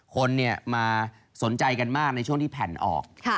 คนมาสนใจกันมากในช่วงที่แผ่นออก